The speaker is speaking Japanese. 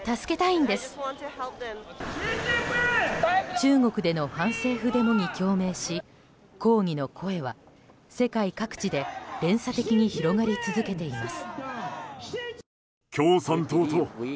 中国での反政府デモに共鳴し抗議の声は世界各地で連鎖的に広がり続けています。